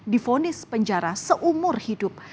difonis penjara seumur hidup